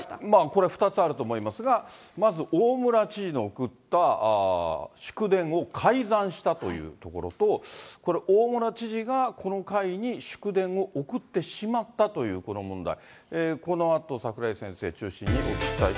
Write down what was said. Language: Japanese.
これ、２つあると思いますが、まず大村知事の送った祝電を改ざんしたというところと、大村知事がこの会に祝電を送ってしまったというこの問題。